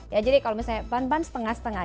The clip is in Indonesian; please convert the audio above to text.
ya jadi kalau misalnya ban ban setengah setengah